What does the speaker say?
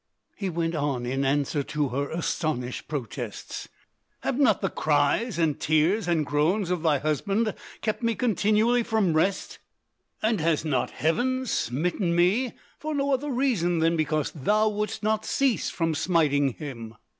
he went on in answer to her astonished protests, "have not the cries and tears and groans of thy husband kept me continually from rest: and has not Heaven smitten me for no other reason than because thou wouldst not cease from smiting him?